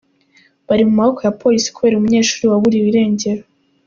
Bari mu maboko ya Polisi kubera umunyeshuri waburiwe irengero